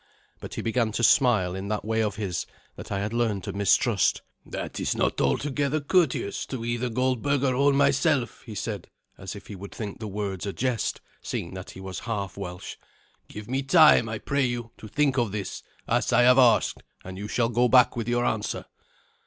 But he began to smile in that way of his that I had learned to mistrust. "That is not altogether courteous to either Goldberga or myself," he said, as if he would think the words a jest, seeing that he was half Welsh. "Give me time, I pray you, to think of this, as I have asked, and you shall go back with your answer."